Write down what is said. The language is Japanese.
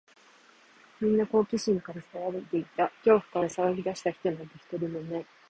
みんな好奇心から騒いでいた。恐怖から騒ぎ出した人なんて、一人もいない。